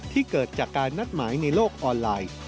เกิดจากการนัดหมายในโลกออนไลน์